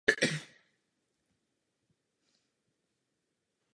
Ty se týkají práv cestujících.